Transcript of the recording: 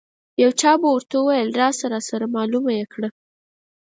یو چا به ورته ویل راشه راسره معلومه یې کړه.